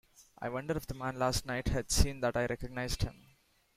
I wondered if the man last night had seen that I recognised him.